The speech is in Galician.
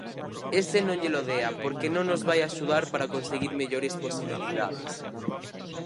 Ese non llelo dea porque non nos vai axudar para conseguir mellores posibilidades.